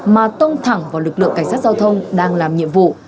mà tông thẳng vào lực lượng cảnh sát giao thông đang làm nhiệm vụ